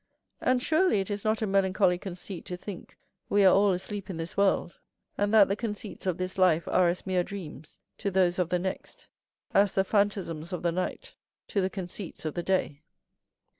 And surely it is not a melancholy conceit to think we are all asleep in this world, and that the conceits of this life are as mere dreams, to those of the next, as the phantasms of the night, to the conceits of the day.